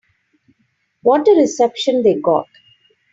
What a reception they got.